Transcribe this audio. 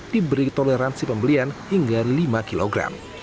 diberi toleransi pembelian hingga lima kilogram